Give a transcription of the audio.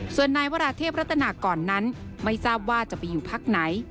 ส่วนนายวราเทพรัตนากรนั้นไม่ทราบว่าจะไปอยู่พักไหน